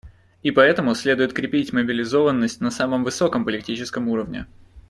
И поэтому следует крепить мобилизованность на самом высоком политическом уровне.